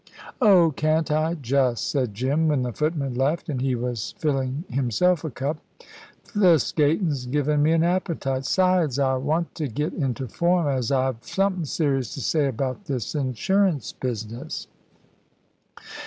"Oh, can't I, just," said Jim, when the footman left and he was filling himself a cup. "Th' skatin's given me an appetite. 'Sides, I want to get into form; as I've somethin' serious to say about this insurance business."